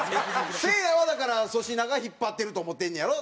せいやはだから粗品が引っ張ってると思ってんねやろ？